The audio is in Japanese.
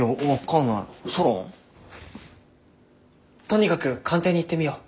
とにかく官邸に行ってみよう。